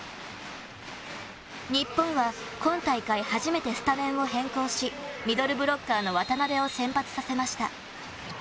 日本は今大会初めてスタメンを変更しミドルブロッカーの渡邊を先発させました。